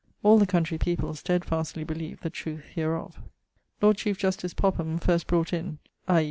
All the countrey people steadfastly beleeve the trueth hereof. Lord Chief Justice Popham first brought in (i.